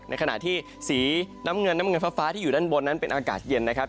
ในขณะที่สีน้ำเงินน้ำเงินฟ้าที่อยู่ด้านบนนั้นเป็นอากาศเย็นนะครับ